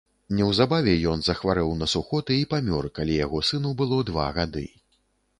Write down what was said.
Неўзабаве ён захварэў на сухоты і памёр, калі яго сыну было два гады.